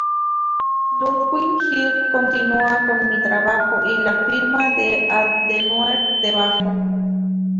Ludwig Erhard continuará con mi trabajo" y la firma de Adenauer debajo.